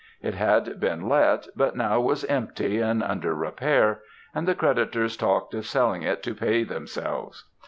It had been let, but was now empty and under repair, and the creditors talked of selling it to pay themselves.